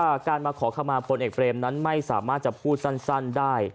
และการมาขอคำมาบนเอกเบรมนั้นไม่สามารถพูดสั้นก็ได้